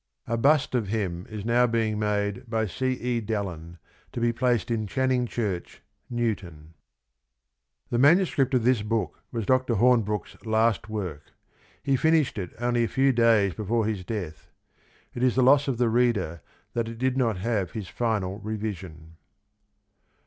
A bust of him is now being made by C. E. Dallin, to be placed in Charming Church, Newton. FOREWORD xiii The manuscript of this book was Dr. Horn brooke's last work. He finished it only a few days before his death. It is the loss of the reader that it did not have his final revision.